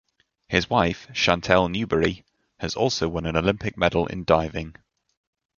His wife, Chantelle Newbery, has also won an Olympic medal in diving.